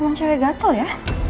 emang cewek gatel ya